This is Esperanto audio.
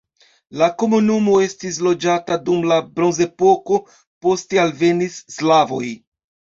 La komunumo estis loĝata dum la bronzepoko, poste alvenis slavoj.